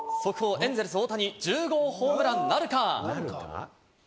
エンゼルス・大谷、１０号ホームランなるか？